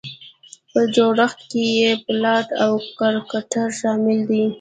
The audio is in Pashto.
په جوړښت کې یې پلاټ او کرکټر شامل دي.